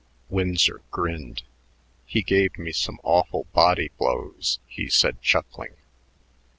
Winsor grinned. "He gave me some awful body blows," he said, chuckling.